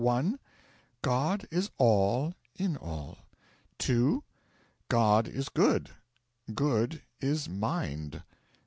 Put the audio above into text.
God is All in all. 2. God is good. Good is Mind.